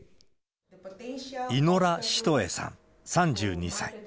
イノラ・シトエさん３２歳。